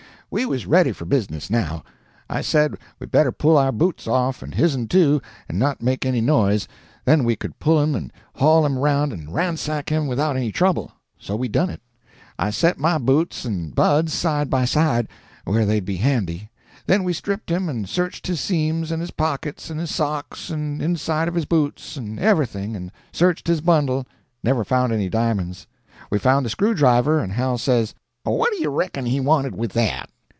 "We was ready for business now. I said we better pull our boots off, and his'n too, and not make any noise, then we could pull him and haul him around and ransack him without any trouble. So we done it. I set my boots and Bud's side by side, where they'd be handy. Then we stripped him and searched his seams and his pockets and his socks and the inside of his boots, and everything, and searched his bundle. Never found any di'monds. We found the screwdriver, and Hal says, 'What do you reckon he wanted with that?